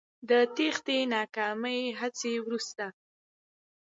د تېښتې ناکامې هڅې وروسته